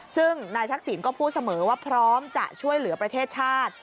ซึ่งนายทักษิณก็พูดเสมอว่าพร้อมจะช่วยเหลือประเทศชาติ